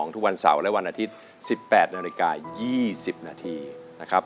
ทุกวันเสาร์และวันอาทิตย์๑๘นาฬิกา๒๐นาทีนะครับ